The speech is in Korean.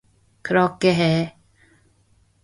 그렇게 해.